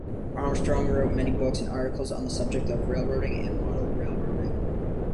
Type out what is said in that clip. Armstrong wrote many books and articles on the subject of railroading and model railroading.